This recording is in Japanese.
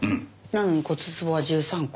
なのに骨壺は１３個。